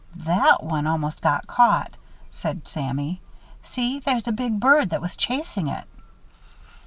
"That one almost got caught," said Sammy. "See, there's a big bird that was chasing it."